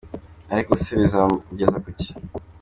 Ariko se bizamugeza ku ki ?